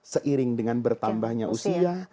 seiring dengan bertambahnya usia